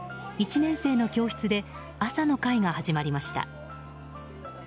１年生の教室で朝の会が始まりました。